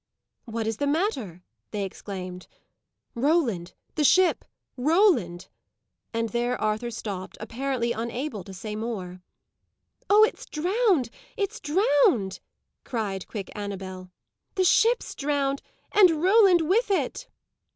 "What is the matter?" they exclaimed. "Roland the ship Roland" and there Arthur stopped, apparently unable to say more. "Oh, it's drowned! it's drowned!" cried quick Annabel. "The ship's drowned, and Roland with it!"